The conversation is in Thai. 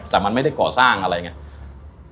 แต่มันไม่ได้เกาะสร้างอะไรอย่างงี้